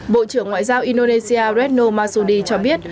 bộ trưởng ngoại giao indonesia retno masudi cho biết